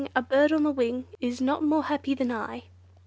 a bird on the wing Is not more happy than I!